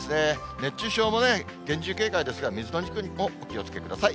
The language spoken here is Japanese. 熱中症も厳重警戒ですが、水の事故にもお気をつけください。